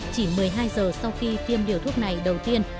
chỉ một mươi hai giờ sau khi tiêm điều thuốc này đầu tiên